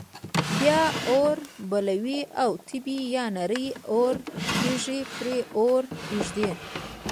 بیا اور بلوي او تبۍ یا نرۍ اواره تیږه پر اور ږدي.